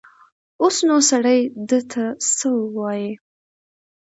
اوس نو سړی ده ته څه ووايي.